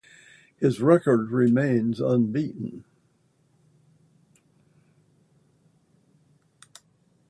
His record remains unbeaten.